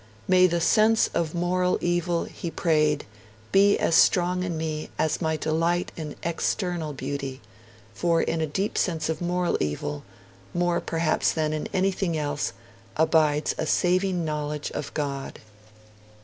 'May the sense of moral evil', he prayed, 'be as strong in me as my delight in external beauty, for in a deep sense of moral evil, more perhaps than in anything else, abides a saving knowledge of God!'